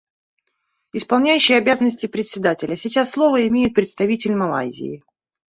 Исполняющий обязанности Председателя: Сейчас слово имеет представитель Малайзии.